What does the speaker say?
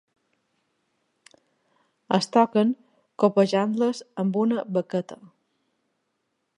Es toquen colpejant-les amb una baqueta.